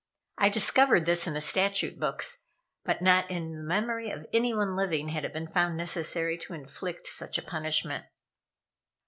I discovered this in the statute books, but not in the memory of any one living had it been found necessary to inflict such a punishment.